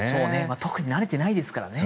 特に慣れてないですから。